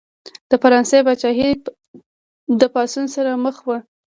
د فرانسې پاچاهي د پاڅون سره مخ وه.